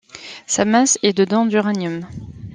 Sa masse est de dont d'uranium.